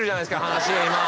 話今！